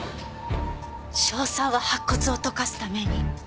硝酸は白骨を溶かすために。